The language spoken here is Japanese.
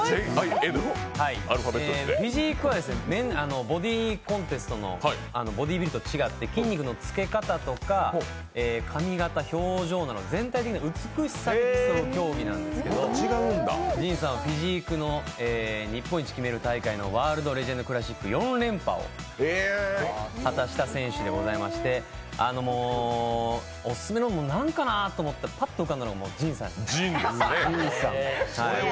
フィジークはボディーコンテストのボディービルと違って筋肉の付け方とか髪形、表情など全体的の美しさを競う競技なんですけどＪＩＮさんはフィジークの日本一を決める大会のワールドレジェンドクラシック４連覇を果たした選手でございまして、オススメのもの何かなと思ってパッと浮かんだのがＪＩＮさんだったんです。